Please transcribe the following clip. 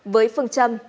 với phương châm